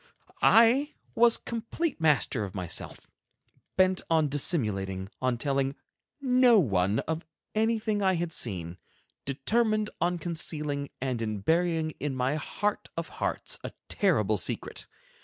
I was complete master of myself, bent on dissimulating, on telling no one of anything I had seen; determined on concealing and in burying in my heart of hearts a terrible secret.